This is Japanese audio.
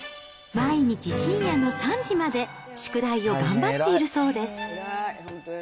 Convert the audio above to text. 毎日深夜の３時まで宿題を頑張っているそうです。